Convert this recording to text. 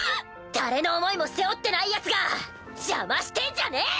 誰の思いも背負ってないヤツが邪魔してんじゃねぇ！